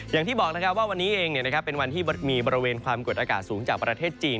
อย่างที่บอกว่าวันนี้เองเป็นวันที่มีบริเวณความกดอากาศสูงจากประเทศจีน